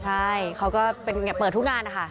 ใช่เขาก็เป็นเปิดทุกงานนะคะ